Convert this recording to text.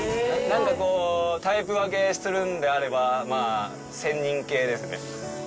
なんかこう、タイプ分けするんであれば、仙人系ですね。